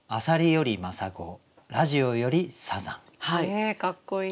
えかっこいい！